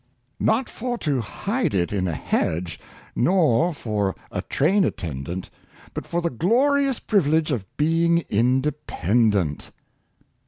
Not for to hide it in a hedge, Nor for a train attendant, But for the glorious privilege Of being independent."